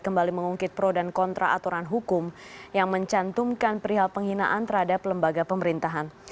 kembali mengungkit pro dan kontra aturan hukum yang mencantumkan perihal penghinaan terhadap lembaga pemerintahan